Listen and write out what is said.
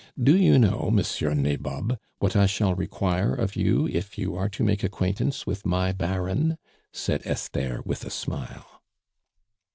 Do you know, Monsieur Nabob, what I shall require of you if you are to make acquaintance with my Baron?" said Esther with a smile.